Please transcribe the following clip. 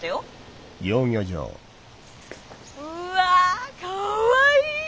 うわかわいい！